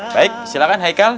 baik silakan haikal